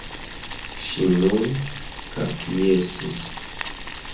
Ŝi nur kapjesis.